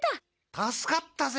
助かったぜ！